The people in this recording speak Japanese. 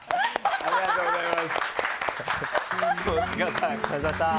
ありがとうございます。